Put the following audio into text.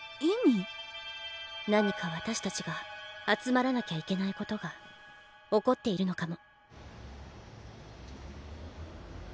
何か私たちが集まらなきゃいけないことが起こっているのかも。